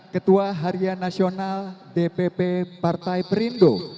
ketua harian nasional dpp partai perindo